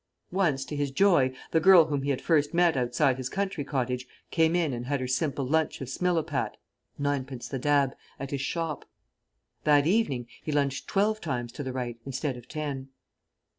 Once, to his joy, the girl whom he had first met outside his country cottage came in and had her simple lunch of Smilopat (ninepence the dab) at his shop. That evening he lunged twelve times to the right instead of ten.